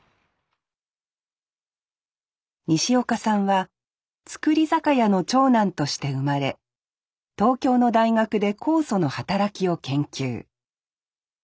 西岡さんは造り酒屋の長男として生まれ東京の大学で酵素の働きを研究。